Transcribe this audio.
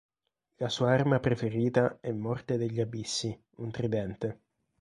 La sua arma preferita è "Morte degli Abissi", un tridente.